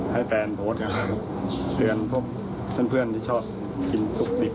ให้แฟนโพสต์เผื่อนเพื่อนที่ชอบกินสุกดิบ